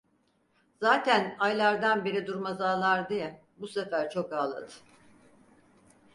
Zaten aylardan beri durmaz ağlardı ya, bu sefer çok ağladı.